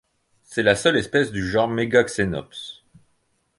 C'est la seule espèce du genre Megaxenops.